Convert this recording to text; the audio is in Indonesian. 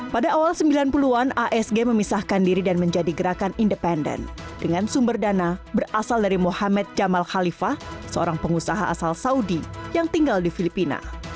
pada awal sembilan puluh an asg memisahkan diri dan menjadi gerakan independen dengan sumber dana berasal dari muhammad jamal khalifah seorang pengusaha asal saudi yang tinggal di filipina